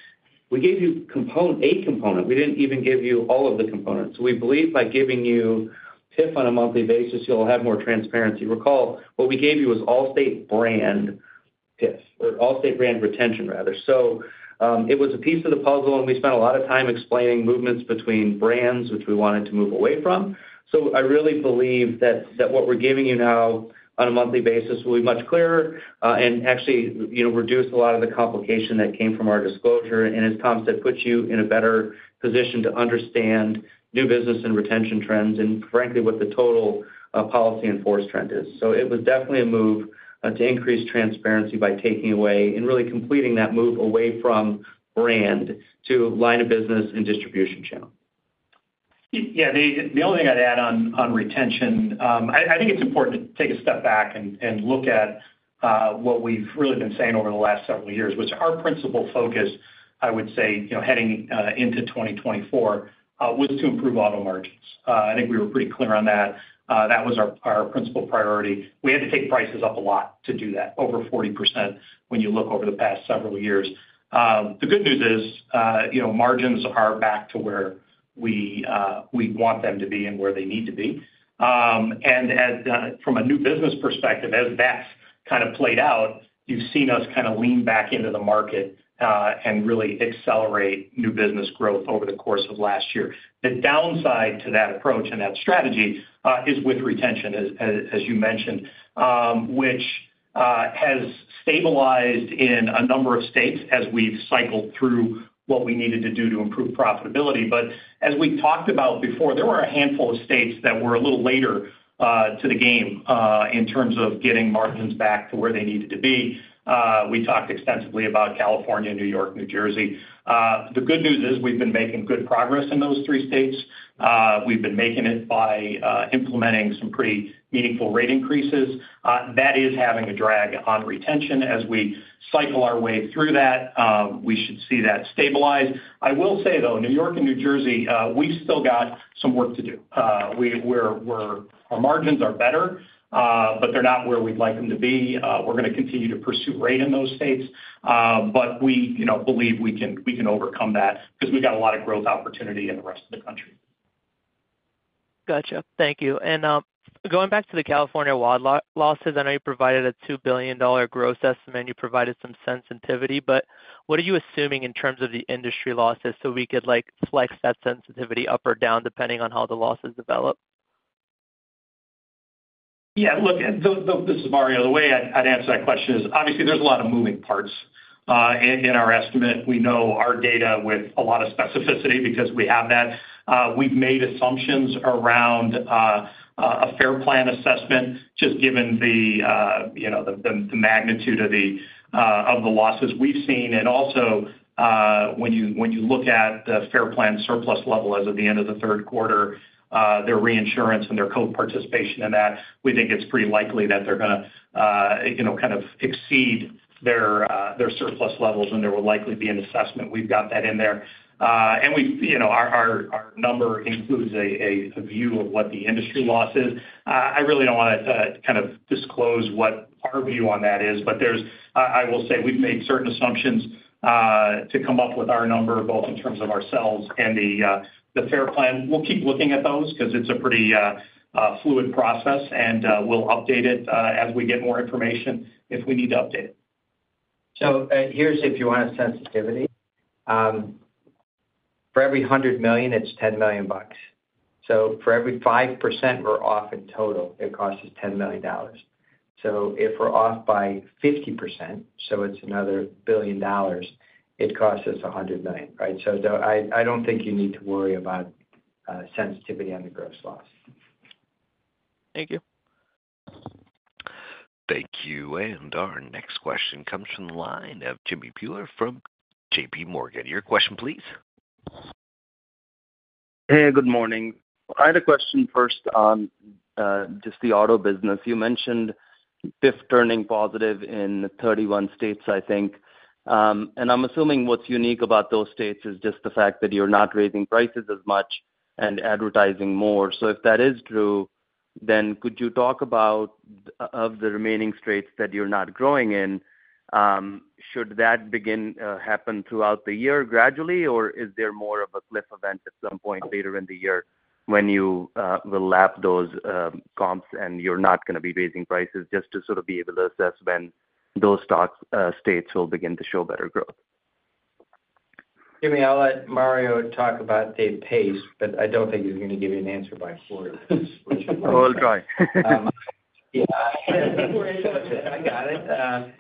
we gave you a component. We didn't even give you all of the components. We believe by giving you PIF on a monthly basis, you'll have more transparency. Recall, what we gave you was Allstate brand PIF or Allstate brand retention, rather. So it was a piece of the puzzle, and we spent a lot of time explaining movements between brands, which we wanted to move away from. So I really believe that what we're giving you now on a monthly basis will be much clearer and actually reduce a lot of the complication that came from our disclosure. And as Tom said, put you in a better position to understand new business and retention trends and, frankly, what the total policies in force trend is. So it was definitely a move to increase transparency by taking away and really completing that move away from brand to line of business and distribution channel. Yeah. The only thing I'd add on retention, I think it's important to take a step back and look at what we've really been saying over the last several years, which our principal focus, I would say, heading into 2024, was to improve auto margins. I think we were pretty clear on that. That was our principal priority. We had to take prices up a lot to do that, over 40% when you look over the past several years. The good news is margins are back to where we want them to be and where they need to be. And from a new business perspective, as that's kind of played out, you've seen us kind of lean back into the market and really accelerate new business growth over the course of last year. The downside to that approach and that strategy is with retention, as you mentioned, which has stabilized in a number of states as we've cycled through what we needed to do to improve profitability. But as we talked about before, there were a handful of states that were a little later to the game in terms of getting margins back to where they needed to be. We talked extensively about California, New York, New Jersey. The good news is we've been making good progress in those three states. We've been making it by implementing some pretty meaningful rate increases. That is having a drag on retention. As we cycle our way through that, we should see that stabilize. I will say, though, New York and New Jersey, we've still got some work to do. Our margins are better, but they're not where we'd like them to be. We're going to continue to pursue rate in those states, but we believe we can overcome that because we've got a lot of growth opportunity in the rest of the country. Gotcha. Thank you and going back to the California wild losses, I know you provided a $2 billion gross estimate. You provided some sensitivity but what are you assuming in terms of the industry losses so we could flex that sensitivity up or down depending on how the losses develop? Yeah. Look, this is Mario. The way I'd answer that question is, obviously, there's a lot of moving parts in our estimate. We know our data with a lot of specificity because we have that. We've made assumptions around a FAIR Plan assessment just given the magnitude of the losses we've seen. And also, when you look at the FAIR Plan surplus level as of the end of the third quarter, their reinsurance and their co-participation in that, we think it's pretty likely that they're going to kind of exceed their surplus levels, and there will likely be an assessment. We've got that in there. And our number includes a view of what the industry loss is. I really don't want to kind of disclose what our view on that is. But I will say we've made certain assumptions to come up with our number, both in terms of ourselves and the FAIR Plan. We'll keep looking at those because it's a pretty fluid process, and we'll update it as we get more information if we need to update it. So here's if you want a sensitivity. For every $100 million, it's $10 million. So for every 5% we're off in total, it costs us $10 million. So if we're off by 50%, so it's another $1 billion, it costs us $100 million, right? So I don't think you need to worry about sensitivity on the gross loss. Thank you. Thank you. And our next question comes from the line of Jimmy Bhullar from JPMorgan. Your question, please. Hey, good morning. I had a question first on just the auto business. You mentioned PIF turning positive in 31 states, I think. And I'm assuming what's unique about those states is just the fact that you're not raising prices as much and advertising more. So if that is true, then could you talk about the remaining states that you're not growing in? Should that begin to happen throughout the year gradually, or is there more of a cliff event at some point later in the year when you will lap those comps and you're not going to be raising prices just to sort of be able to assess when those states will begin to show better growth? Jimmy, I'll let Mario talk about the pace, but I don't think he's going to give you an answer by 40 minutes. We'll try. Yeah. I got it.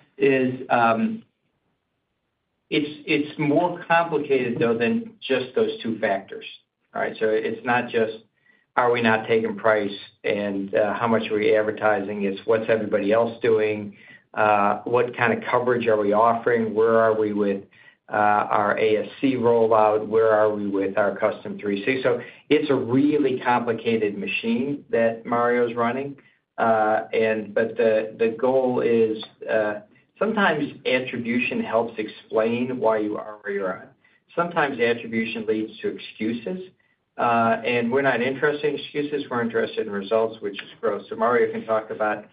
It's more complicated, though, than just those two factors, right? So it's not just, are we not taking price and how much are we advertising? It's what's everybody else doing? What kind of coverage are we offering? Where are we with our ASC rollout? Where are we with our Custom360? So it's a really complicated machine that Mario's running. But the goal is sometimes attribution helps explain why you are where you're at. Sometimes attribution leads to excuses. And we're not interested in excuses. We're interested in results, which is gross. So Mario can talk about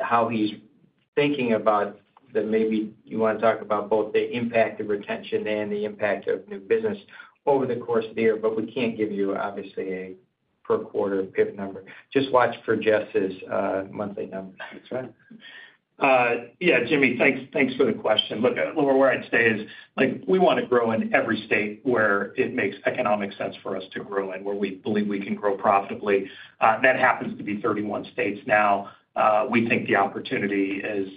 how he's thinking about the maybe you want to talk about both the impact of retention and the impact of new business over the course of the year, but we can't give you, obviously, a per quarter PIF number. Just watch for Jess's monthly number. That's right. Yeah, Jimmy, thanks for the question. Look, where I'd say is we want to grow in every state where it makes economic sense for us to grow in, where we believe we can grow profitably. That happens to be 31 states now. We think the opportunity is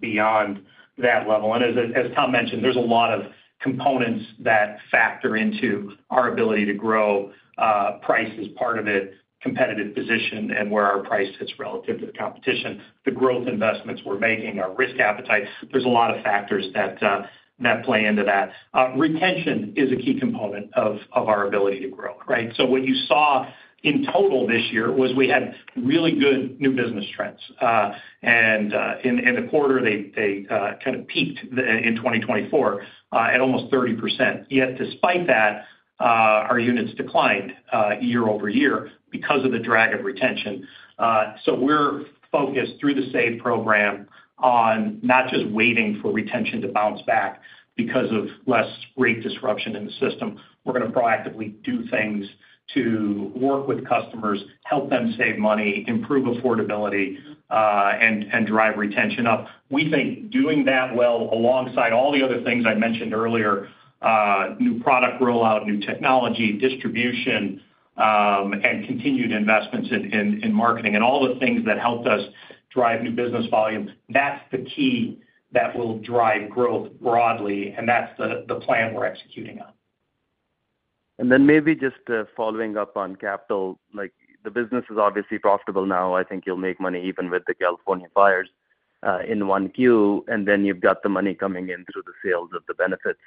beyond that level. And as Tom mentioned, there's a lot of components that factor into our ability to grow. Price is part of it, competitive position, and where our price sits relative to the competition, the growth investments we're making, our risk appetite. There's a lot of factors that play into that. Retention is a key component of our ability to grow, right? So what you saw in total this year was we had really good new business trends. And in the quarter, they kind of peaked in 2024 at almost 30%. Yet despite that, our units declined year over year because of the drag of retention. So we're focused through the SAVE program on not just waiting for retention to bounce back because of less rate disruption in the system. We're going to proactively do things to work with customers, help them save money, improve affordability, and drive retention up. We think doing that well alongside all the other things I mentioned earlier, new product rollout, new technology, distribution, and continued investments in marketing, and all the things that helped us drive new business volume, that's the key that will drive growth broadly, and that's the plan we're executing on. And then maybe just following up on capital, the business is obviously profitable now. I think you'll make money even with the California fires in Q1, and then you've got the money coming in through the sales of the benefits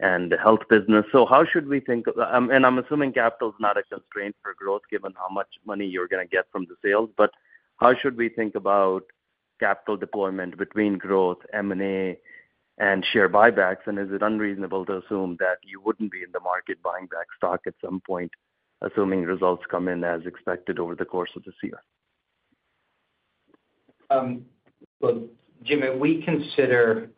and the health business. So how should we think? And I'm assuming capital is not a constraint for growth given how much money you're going to get from the sales, but how should we think about capital deployment between growth, M&A, and share buybacks? And is it unreasonable to assume that you wouldn't be in the market buying back stock at some point, assuming results come in as expected over the course of this year? Well, Jimmy, we consider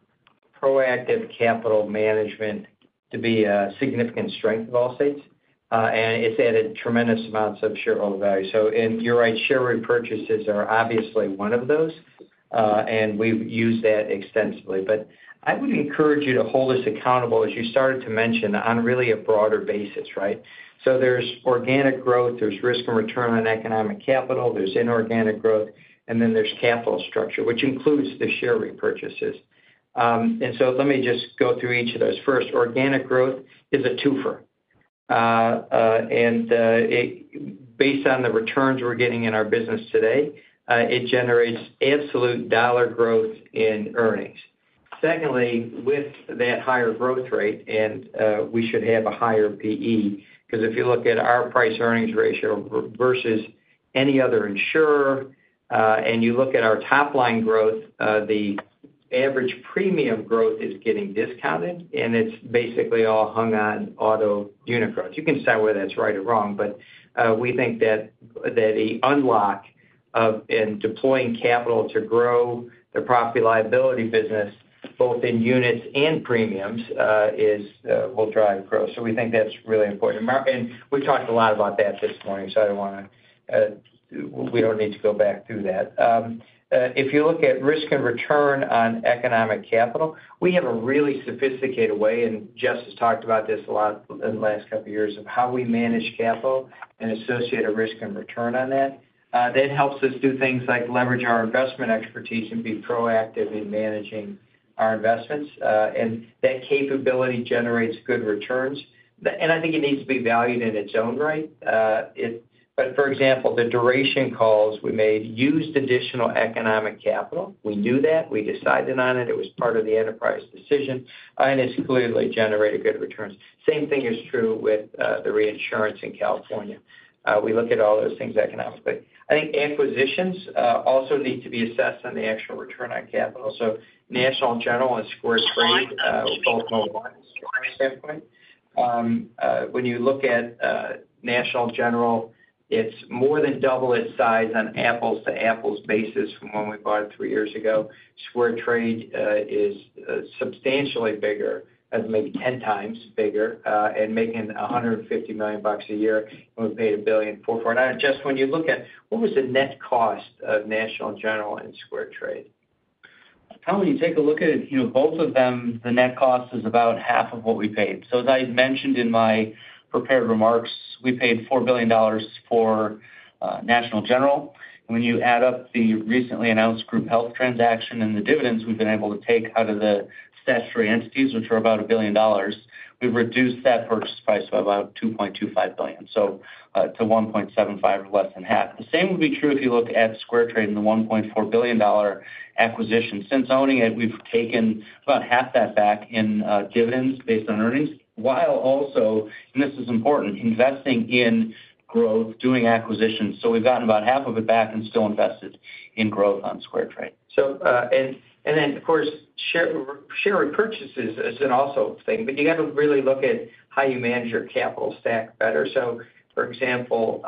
proactive capital management to be a significant strength of Allstate's, and it's added tremendous amounts of shareholder value. So you're right, share repurchases are obviously one of those, and we've used that extensively, but I would encourage you to hold us accountable, as you started to mention, on really a broader basis, right, so there's organic growth, there's risk and return on economic capital, there's inorganic growth, and then there's capital structure, which includes the share repurchases, and so let me just go through each of those. First, organic growth is a twofer, and based on the returns we're getting in our business today, it generates absolute dollar growth in earnings. Secondly, with that higher growth rate, and we should have a higher P/E because if you look at our price-earnings ratio versus any other insurer, and you look at our top-line growth, the average premium growth is getting discounted, and it's basically all hung on auto unit growth. You can decide whether that's right or wrong, but we think that the unlock of deploying capital to grow the property-liability business, both in units and premiums, will drive growth. So we think that's really important, and we talked a lot about that this morning, so I don't want to, we don't need to go back through that. If you look at risk and return on economic capital, we have a really sophisticated way, and Jess has talked about this a lot in the last couple of years, of how we manage capital and associate a risk and return on that. That helps us do things like leverage our investment expertise and be proactive in managing our investments. And that capability generates good returns. And I think it needs to be valued in its own right. But for example, the duration calls we made used additional economic capital. We knew that. We decided on it. It was part of the enterprise decision. And it's clearly generated good returns. Same thing is true with the reinsurance in California. We look at all those things economically. I think acquisitions also need to be assessed on the actual return on capital. So National General and SquareTrade, both mobile phones from my standpoint. When you look at National General, it's more than double its size on apples-to-apples basis from when we bought it three years ago. SquareTrade is substantially bigger, maybe 10 times bigger, and making $150 million a year, and we paid $1 billion for it. Now, Jess, when you look at what was the net cost of National General and SquareTrade? Tom, when you take a look at it, both of them, the net cost is about half of what we paid. As I mentioned in my prepared remarks, we paid $4 billion for National General. When you add up the recently announced group health transaction and the dividends we've been able to take out of the statutory entities, which are about a billion dollars, we've reduced that purchase price by about $2.25 billion, so to $1.75 billion, less than half. The same would be true if you look at SquareTrade and the $1.4 billion acquisition. Since owning it, we've taken about half that back in dividends based on earnings, while also, and this is important, investing in growth, doing acquisitions. We've gotten about half of it back and still invested in growth on SquareTrade. And then, of course, share repurchases is also a thing, but you got to really look at how you manage your capital stack better. So for example,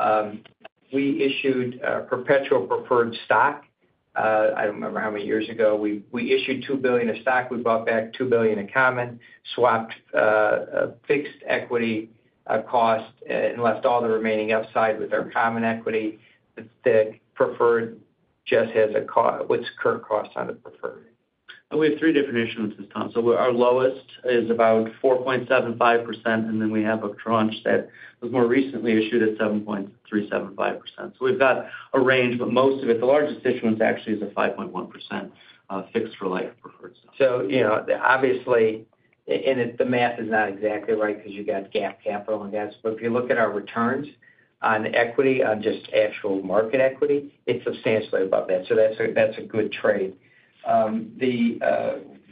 we issued perpetual preferred stock. I don't remember how many years ago. We issued $2 billion of stock. We bought back $2 billion of common, swapped fixed equity cost, and left all the remaining upside with our common equity. The preferred just has a current cost on the preferred. And we have three different issuances, Tom. So our lowest is about 4.75%, and then we have a tranche that was more recently issued at 7.375%. So we've got a range, but most of it, the largest issuance actually is a 5.1% fixed-for-life preferred stock. So obviously, and the math is not exactly right because you got GAAP capital and that. But if you look at our returns on equity, on just actual market equity, it's substantially above that. So that's a good trade.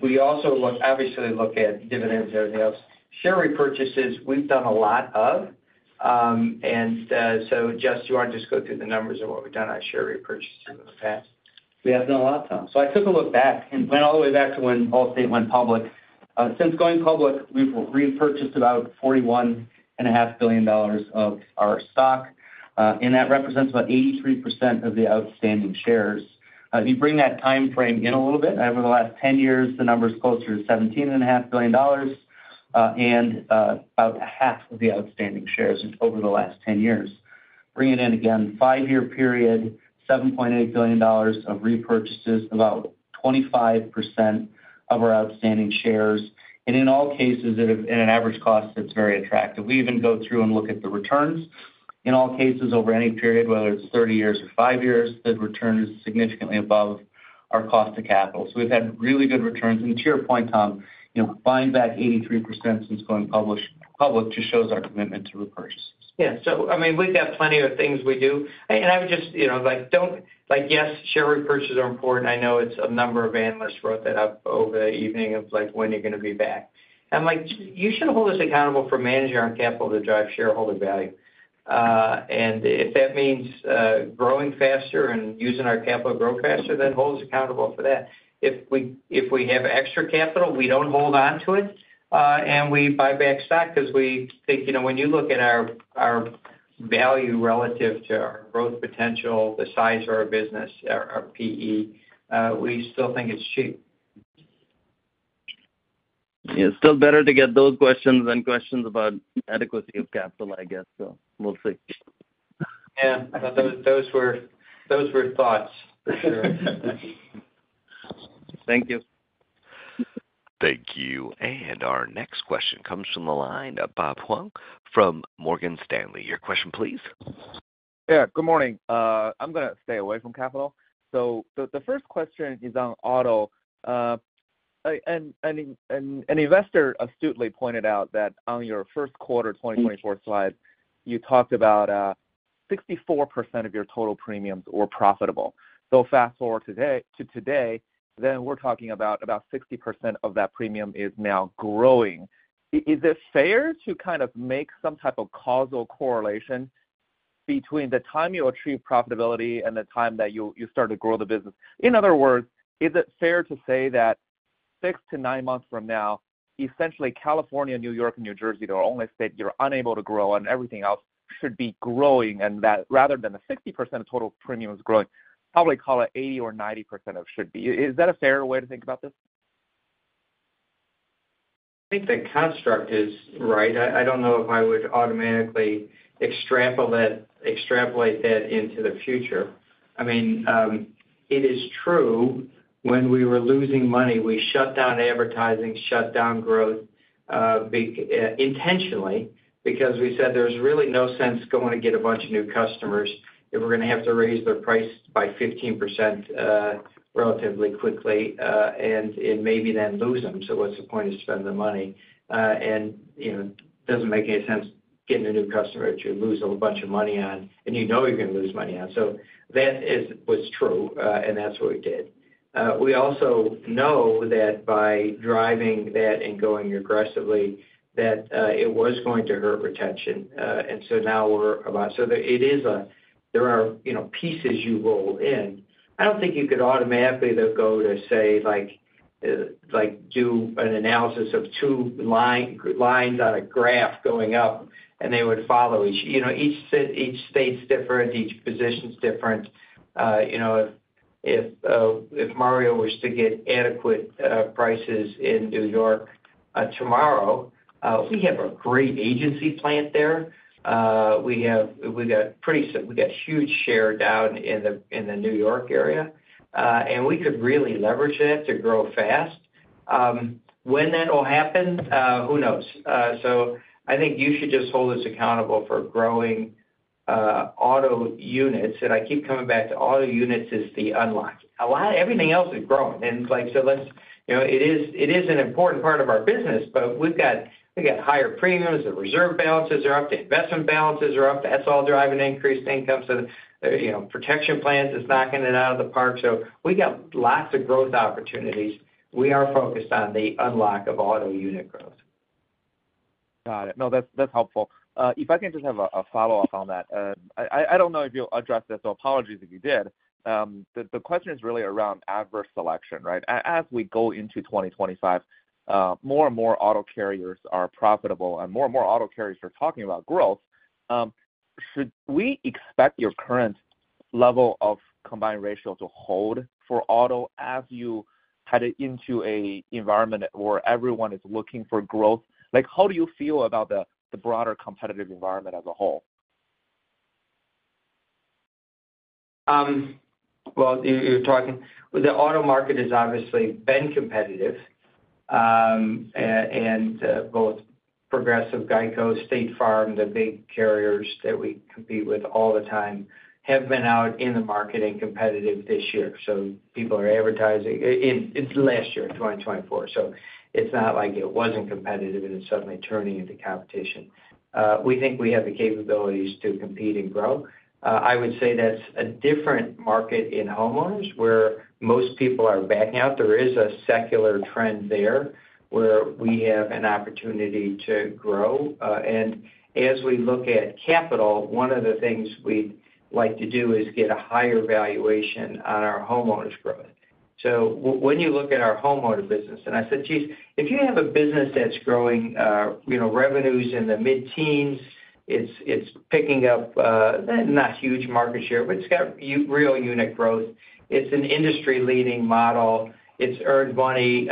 We also obviously look at dividends and everything else. Share repurchases, we've done a lot of. And so Jess, do you want to just go through the numbers of what we've done on share repurchases in the past? We have done a lot, Tom. So I took a look back and went all the way back to when Allstate went public. Since going public, we've repurchased about $41.5 billion of our stock, and that represents about 83% of the outstanding shares. If you bring that timeframe in a little bit, over the last 10 years, the number is closer to $17.5 billion and about 50% of the outstanding shares over the last 10 years. Bring it in again, 5-year period, $7.8 billion of repurchases, about 25% of our outstanding shares. And in all cases, at an average cost, it's very attractive. We even go through and look at the returns. In all cases, over any period, whether it's 30 years or five years, the return is significantly above our cost of capital. So we've had really good returns. To your point, Tom, buying back 83% since going public just shows our commitment to repurchases. Yeah. So I mean, we've got plenty of things we do. And I would just like, yes, share repurchases are important. I know a number of analysts wrote that up over the evening of when you're going to be back. And you should hold us accountable for managing our capital to drive shareholder value. And if that means growing faster and using our capital to grow faster, then hold us accountable for that. If we have extra capital, we don't hold onto it, and we buy back stock because we think when you look at our value relative to our growth potential, the size of our business, our P/E, we still think it's cheap. Yeah. Still better to get those questions than questions about adequacy of capital, I guess. So we'll see. Yeah. I thought those were thoughts for sure. Thank you. Thank you. And our next question comes from the line of Bob Huang from Morgan Stanley. Your question, please. Yeah. Good morning. I'm going to stay away from capital. So the first question is on auto. An investor astutely pointed out that on your first quarter 2024 slide, you talked about 64% of your total premiums were profitable. So fast forward to today, then we're talking about about 60% of that premium is now growing. Is it fair to kind of make some type of causal correlation between the time you achieve profitability and the time that you start to grow the business? In other words, is it fair to say that six to nine months from now, essentially California, New York, and New Jersey are the only states you're unable to grow, and everything else should be growing? And that rather than the 60% of total premiums growing, probably call it 80 or 90% of should be. Is that a fair way to think about this? I think that construct is right. I don't know if I would automatically extrapolate that into the future. I mean, it is true when we were losing money, we shut down advertising, shut down growth intentionally because we said there's really no sense going to get a bunch of new customers if we're going to have to raise their price by 15% relatively quickly and maybe then lose them. So what's the point of spending the money? And it doesn't make any sense getting a new customer that you lose a bunch of money on, and you know you're going to lose money on. So that was true, and that's what we did. We also know that by driving that and going aggressively, that it was going to hurt retention. And so now we're about so there are pieces you roll in. I don't think you could automatically go to, say, do an analysis of two lines on a graph going up, and they would follow each. Each state's different. Each position's different. If Mario was to get adequate prices in New York tomorrow, we have a great agency plant there. We got huge share down in the New York area, and we could really leverage that to grow fast. When that will happen, who knows? So I think you should just hold us accountable for growing auto units. And I keep coming back to auto units is the unlock. Everything else is growing. And so it is an important part of our business, but we've got higher premiums. The reserve balances are up. The investment balances are up. That's all driving increased income. So protection plans is knocking it out of the park. So we got lots of growth opportunities. We are focused on the unlock of auto unit growth. Got it. No, that's helpful. If I can just have a follow-up on that. I don't know if you'll address this, so apologies if you did. The question is really around adverse selection, right? As we go into 2025, more and more auto carriers are profitable, and more and more auto carriers are talking about growth. Should we expect your current level of combined ratio to hold for auto as you head into an environment where everyone is looking for growth? How do you feel about the broader competitive environment as a whole? You're talking the auto market has obviously been competitive. Both Progressive, GEICO, State Farm, the big carriers that we compete with all the time, have been out in the market and competitive this year. People are advertising. It's last year, 2024. It's not like it wasn't competitive and it's suddenly turning into competition. We think we have the capabilities to compete and grow. I would say that's a different market in homeowners where most people are backing out. There is a secular trend there where we have an opportunity to grow. As we look at capital, one of the things we'd like to do is get a higher valuation on our homeowners' growth. So when you look at our homeowner business, and I said, "Geez, if you have a business that's growing revenues in the mid-teens, it's picking up not huge market share, but it's got real unit growth. It's an industry-leading model. It's earned money,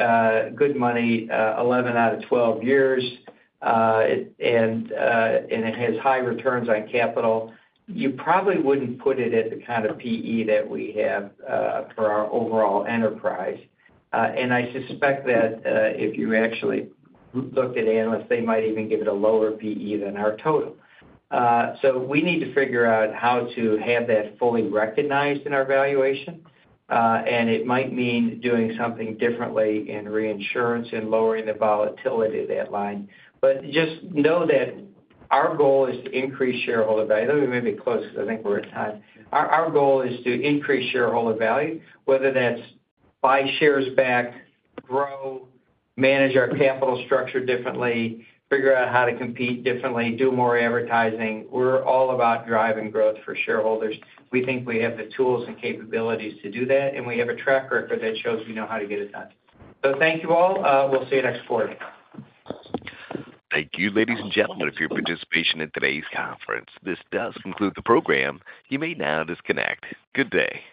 good money, 11 out of 12 years, and it has high returns on capital." You probably wouldn't put it at the kind of P/E that we have for our overall enterprise. And I suspect that if you actually looked at analysts, they might even give it a lower P/E than our total. So we need to figure out how to have that fully recognized in our valuation. And it might mean doing something differently in reinsurance and lowering the volatility of that line. But just know that our goal is to increase shareholder value. Maybe close because I think we're at time. Our goal is to increase shareholder value, whether that's buy shares back, grow, manage our capital structure differently, figure out how to compete differently, do more advertising. We're all about driving growth for shareholders. We think we have the tools and capabilities to do that, and we have a track record that shows we know how to get it done. So thank you all. We'll see you next quarter. Thank you, ladies and gentlemen, for your participation in today's conference. This does conclude the program. You may now disconnect. Good day.